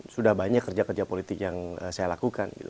sudah banyak kerja kerja politik yang saya lakukan